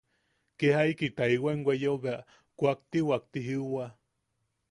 Kee jaiki taewaim weyeo bea kuaktiwak ti jiuwa.